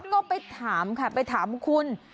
ก็ไปถามค่ะไปถามคุณ